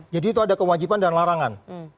jadi itu ada kewajipan dan larangan